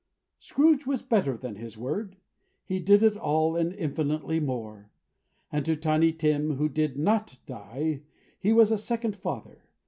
Scrooge was better than his word. He did it all, and infinitely more; and to Tiny Tim, who did NOT die, he was a second father.